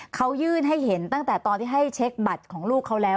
เขายื่นให้เห็นตั้งแต่ตอนที่ให้เช็คบัตรของลูกเขาแล้ว